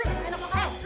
jangan ada yang nangis